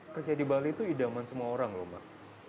kerja di bali itu idaman semua orang loh pak